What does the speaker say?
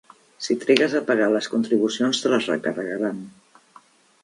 Si trigues a pagar les contribucions, te les recarregaran.